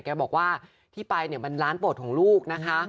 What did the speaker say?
แกบอกว่าที่ไปเนี่ยมันร้านโปรดของลูกนะคะ